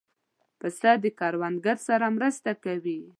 پسه د کروندګر سره مرسته کوي.